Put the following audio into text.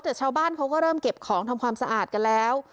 แต่ชาวบ้านเขาก็เริ่มเก็บของทำความสะอาดกันแล้ว